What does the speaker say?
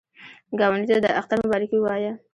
ګاونډي ته د اختر مبارکي ووایه